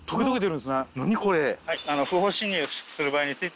何これ。